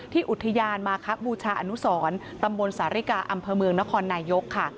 ที่อุทธิญาณมาครบูชานุศรดำบลสาหริกาอำเผอเมืองนครนายก